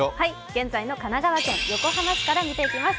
現在の神奈川県横浜市から見ていきます。